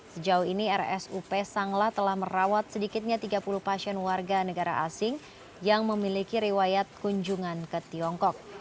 sejauh ini rsup sangla telah merawat sedikitnya tiga puluh pasien warga negara asing yang memiliki riwayat kunjungan ke tiongkok